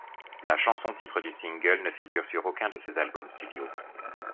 La chanson-titre du single ne figure sur aucun de ses albums studio.